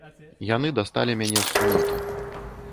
Яны дасталі мяне з сумёта.